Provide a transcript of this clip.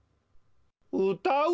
うたう